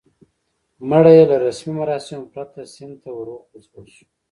مړی یې له رسمي مراسمو پرته سیند ته ور وغورځول شو.